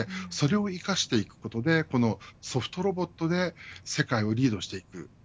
それを生かしていくことでソフトロボットで世界をリードしていく。